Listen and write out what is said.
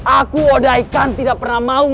aku odaikan tidak berhasil menangkapnya